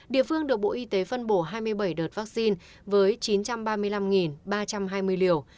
địa phương được bộ y tế phân bổ hai mươi bảy đợt vaccine với chín trăm ba mươi năm ba trăm hai mươi liều